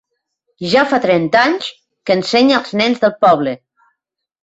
Ja fa trenta anys que ensenya els nens del poble.